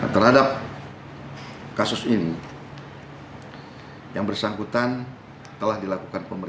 terhadap kasus ini yang bersangkutan telah dilakukan pemeriksaan